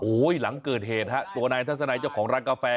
หลังเกิดเหตุฮะตัวนายทัศนัยเจ้าของร้านกาแฟ